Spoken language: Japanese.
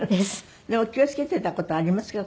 でも気を付けていた事はありますか？